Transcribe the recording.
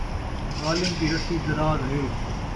ظالم دی رسی دراز ہے